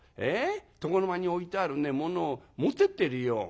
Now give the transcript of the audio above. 床の間に置いてあるねものを持ってってるよ。